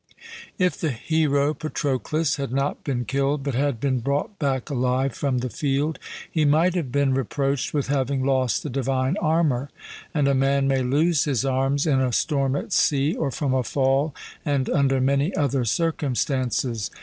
If the hero Patroclus had not been killed but had been brought back alive from the field, he might have been reproached with having lost the divine armour. And a man may lose his arms in a storm at sea, or from a fall, and under many other circumstances.